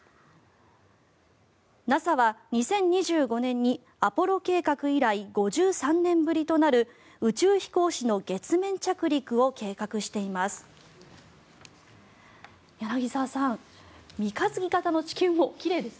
ＮＡＳＡは２０２５年にアポロ計画以来５３年ぶりとなる宇宙飛行士の月面着陸を計画しています。